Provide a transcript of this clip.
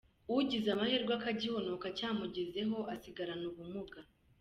Ugize amahirwe akagihonoka cyamugezeho agasigarana ubumuga.